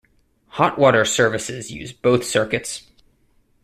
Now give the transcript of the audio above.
Hot water services use both circuits.